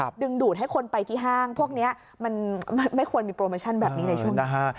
ดึงดูดให้คนไปที่ห้างพวกนี้มันไม่ควรมีโปรโมชั่นแบบนี้ในช่วงนี้